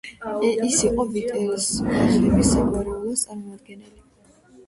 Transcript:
ის იყო ვიტელსბახების საგვარეულოს წარმომადგენელი.